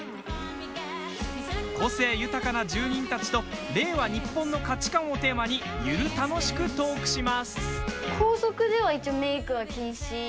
個性豊かな住人たちと令和ニッポンの価値観をテーマにゆる楽しくトークします。